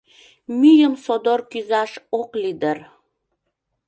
Мӱйым содор кӱзаш ок лий дыр.